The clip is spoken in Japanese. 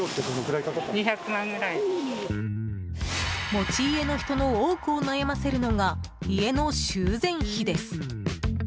持ち家の人の多くを悩ませるのが家の修繕費です。